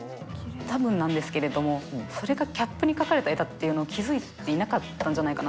たぶんなんですけれども、それがキャップに描かれた絵っていうのを気付いていなかったんじ